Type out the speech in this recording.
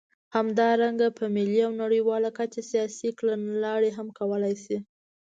همدارنګه په ملي او نړیواله کچه سیاسي کړنلارې هم کولای شي.